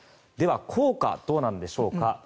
では効果はどうなんでしょうか。